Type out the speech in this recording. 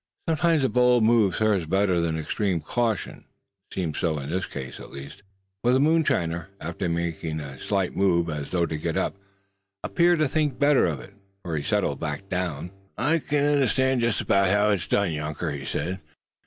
Sometimes a bold move serves better than extreme caution. It seemed so in this case, at least, for the moonshiner, after making a slight move, as though to get up, appeared to think better of it, for he settled back again. "I kin understand jest 'bout how it air dun, younker," he said.